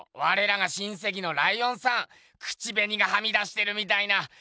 われらが親せきのライオンさん口べにがはみ出してるみたいな。